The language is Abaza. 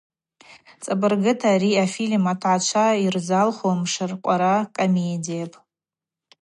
Цӏабыргыта ари афильм атгӏачва йырзалху мшыркъвара комедияпӏ.